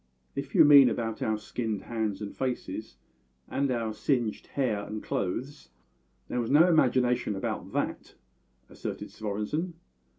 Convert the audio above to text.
"If you mean about our skinned hands and faces, and our singed hair and clothes, there was no imagination about that," asserted Svorenssen.